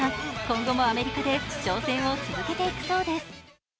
今後もアメリカで挑戦を続けていくそうです。